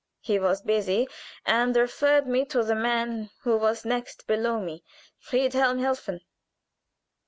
He was busy, and referred me to the man who was next below me, Friedhelm Helfen."